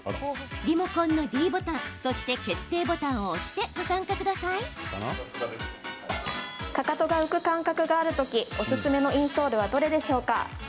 リモコンのｄボタンそして決定ボタンを押してかかとが浮く感覚があるとき、おすすめのインソールはどれでしょうか？